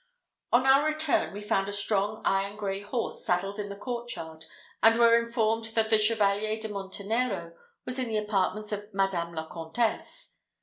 On our return, we found a strong iron grey horse saddled in the court yard, and were informed that the Chevalier de Montenero was in the apartments of Madame la Comtesse.